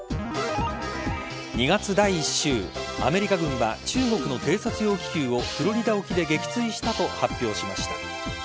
２月第１週アメリカ軍は中国の偵察用気球をフロリダ沖で撃墜したと発表しました。